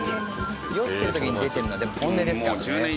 酔ってる時に出てるのはでも本音ですからね。